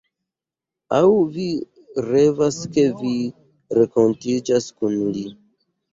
Aŭ vi revas ke vi renkontiĝas kun li